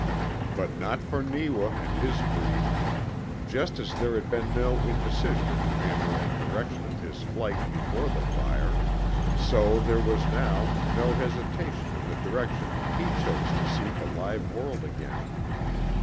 But not for Neewa and his breed. Just as there had been no indecision in the manner and direction of his flight before the fire so there was now no hesitation in the direction he chose to seek a live world again.